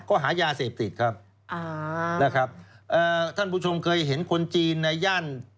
เขาหายาเสพสิทธิ์ครับท่านผู้ชมเคยเห็นคนจีนในย่าน